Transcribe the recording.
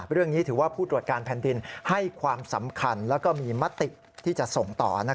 เรื่องนี้ถือว่าผู้ตรวจการแผ่นดินให้ความสำคัญและมีมติที่จะส่งต่อ